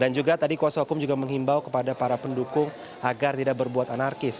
dan juga tadi kuhp juga menghimbau kepada para pendukung agar tidak berbuat anarkis